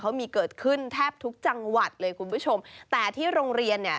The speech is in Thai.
เขามีเกิดขึ้นแทบทุกจังหวัดเลยคุณผู้ชมแต่ที่โรงเรียนเนี่ย